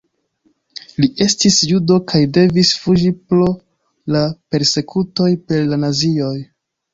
Li estis judo kaj devis fuĝi pro la persekutoj per la nazioj.